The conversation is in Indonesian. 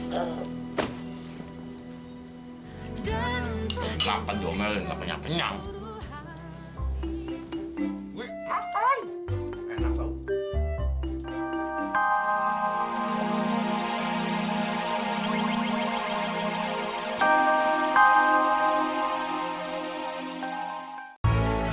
kenapa jomel yang tak punya penyakit